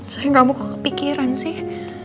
sayang kamu kok kepikiran sih